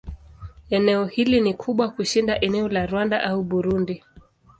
Eneo hili ni kubwa kushinda eneo la Rwanda au Burundi.